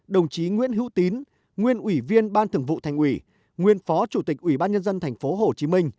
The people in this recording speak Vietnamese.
đồng chí nguyễn hữu tín nguyên ủy viên ban thường vụ thành ủy nguyên phó chủ tịch ủy ban nhân dân tp hcm